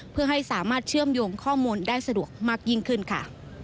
เพื่อให้สามารถเชื่อมโยงข้อมูลได้สะดวกมากยิ่งขึ้นค่ะ